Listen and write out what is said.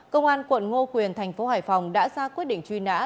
công an tp hải phòng đã ra quyết định truy nã